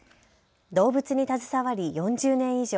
動物に携わり４０年以上。